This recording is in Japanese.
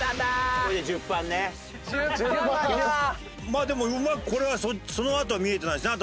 まあでもうまくこれはそのあとは見えてないですね